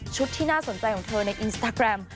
ที่น่าสนใจของเธอในอินสตาแกรม